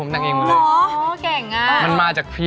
แจ้งว่าแป๊บนึงมันมาจากคลิส์